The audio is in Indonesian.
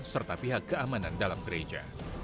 serta pihak keamanan dalam gereja